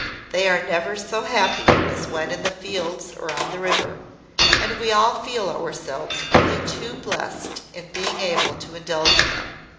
They are never so happy as when in the fields or on the river; and we all feel ourselves only too blest in being able to indulge them.